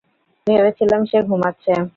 ভেবেছিলাম সে ঘুমাচ্ছে।